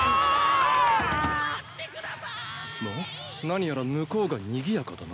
何やら向こうがにぎやかだな。